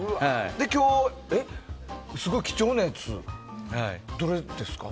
今日、すごい貴重なやつどれですか？